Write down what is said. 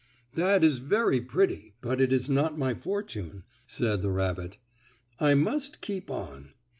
"That is very pretty, but it is not my fortune," said the rabbit. "I must keep on."